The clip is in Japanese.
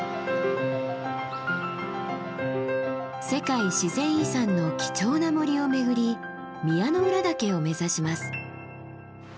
世界自然遺産の貴重な森を巡り宮之浦岳を目指します。